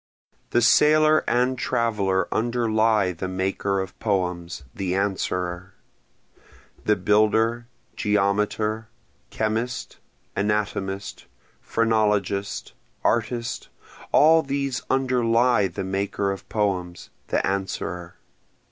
The sailor and traveler underlie the maker of poems, the Answerer, The builder, geometer, chemist, anatomist, phrenologist, artist, all these underlie the maker of poems, the Answerer.